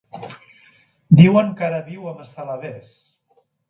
Diuen que ara viu a Massalavés.